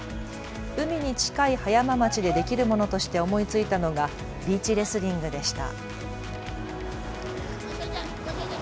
海に近い葉山町でできるものとして思いついたのがビーチレスリングでした。